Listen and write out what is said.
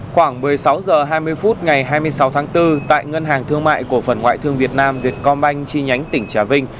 khoảng một mươi sáu h hai mươi phút ngày hai mươi sáu tháng bốn tại ngân hàng thương mại cổ phần ngoại thương việt nam vietcombank chi nhánh tỉnh trà vinh